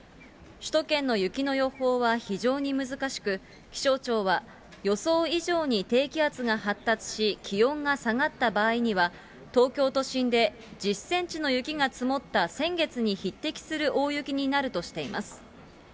首都圏の雪の予報は非常に難しく、気象庁は、予想以上に低気圧が発達し、気温が下がった場合には、東京都心で１０センチの雪が積もった先月に匹敵する大雪になるとしています。